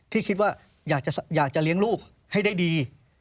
ที่คิดว่าอยากจะเลี้ยงลูกให้ได้ดี